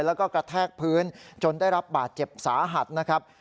แล้วก็กระแทกพื้นจนได้รับบาดเจ็บสาหัสนะครับ